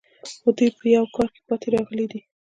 خو دوی په یوه کار کې پاتې راغلي دي